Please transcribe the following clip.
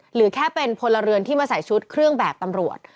หรือแค่เป็นพลเรือนที่มาใส่ชุดเครื่องแบบตำรวจ